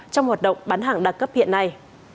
trong hoạt động bán hàng đa cấp hiện nay